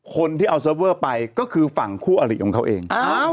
คนที่เอาเซิร์ฟเวอร์ไปก็คือฝั่งคู่อลิของเขาเอง